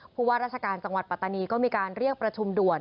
ผู้ว่าราชการจังหวัดปัตตานีก็มีการเรียกประชุมด่วน